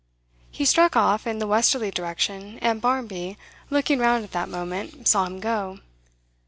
He struck off in the westerly direction, and Barmby, looking round at that moment, saw him go.